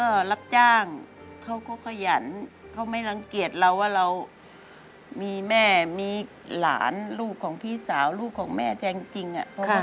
ก็รับจ้างเขาก็ขยันเขาไม่รังเกียจเราว่าเรามีแม่มีหลานลูกของพี่สาวลูกของแม่แท้จริง